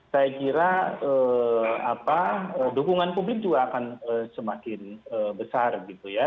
saya kira dukungan publik juga akan semakin besar gitu ya